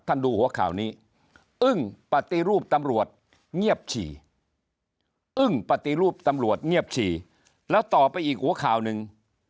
ดูหัวข่าวนี้อึ้งปฏิรูปตำรวจเงียบฉี่อึ้งปฏิรูปตำรวจเงียบฉี่แล้วต่อไปอีกหัวข่าวหนึ่ง